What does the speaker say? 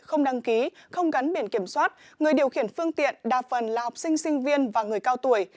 không đăng ký không gắn biển kiểm soát người điều khiển phương tiện đa phần là học sinh sinh viên và người cao tuổi